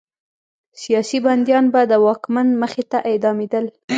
سیاسي بندیان به د واکمن مخې ته اعدامېدل.